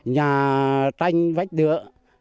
nhà tranh vách đựa